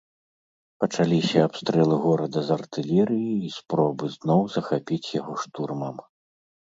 Пачаліся абстрэлы горада з артылерыі і спробы зноў захапіць яго штурмам.